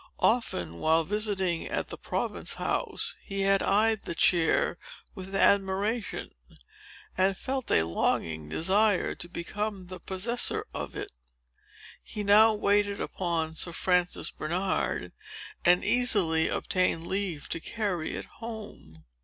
Often, while visiting at the Province House, he had eyed the chair with admiration, and felt a longing desire to become the possessor of it. He now waited upon Sir Francis Bernard, and easily obtained leave to carry it home."